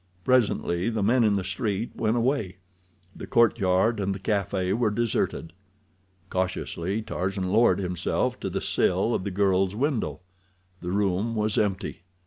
Presently the men in the street went away. The courtyard and the café were deserted. Cautiously Tarzan lowered himself to the sill of the girl's window. The room was empty.